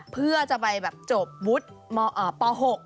เพื่อจะไปแบบจบวุฒิป๖